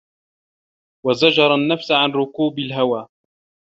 وَزَجَرَ النَّفْسَ عَنْ رُكُوبِ الْهَوَى